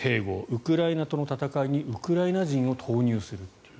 ウクライナとの戦いにウクライナ人を投入するという。